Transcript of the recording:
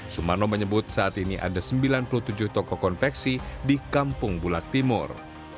sumarno menyebut saat ini ada sembilan puluh tujuh toko konveksi di kampung bulak timur